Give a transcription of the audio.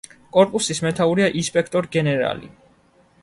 კორპუსის მეთაურია ინსპექტორ გენერალი.